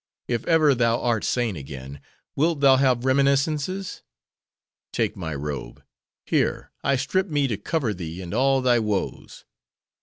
If ever thou art sane again, wilt thou have reminiscences? Take my robe:— here, I strip me to cover thee and all thy woes.